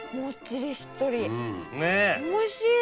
おいしい。